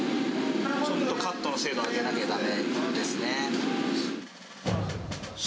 ちょっとカットの精度を上げなきゃだめですね。